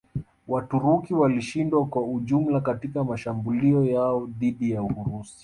Waturuki walishindwa kwa ujumla katika mashambulio yao dhidi ya Urusi